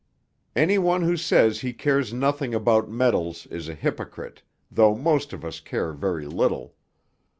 Any one who says he cares nothing about medals is a hypocrite, though most of us care very little.